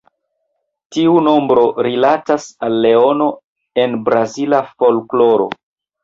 Tiu nombro rilatas al Leono en brazila folkloro.